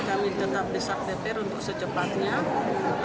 kami tetap desak dpr untuk secepatnya